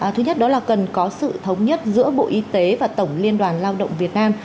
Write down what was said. thứ nhất đó là cần có sự thống nhất giữa bộ y tế và tổng liên đoàn lao động việt nam